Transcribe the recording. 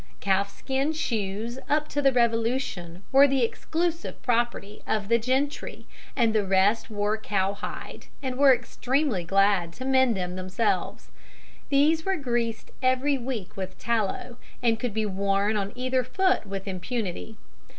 Calfskin shoes up to the Revolution were the exclusive property of the gentry, and the rest wore cowhide and were extremely glad to mend them themselves. These were greased every week with tallow, and could be worn on either foot with impunity.